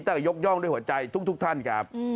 แต่ยกย่องด้วยหัวใจทุกท่านครับ